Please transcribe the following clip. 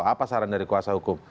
apa saran dari kuasa hukum